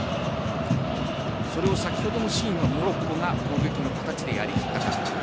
それを先ほどのシーンはモロッコが攻撃の形でやりきった。